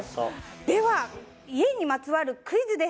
では家にまつわるクイズです。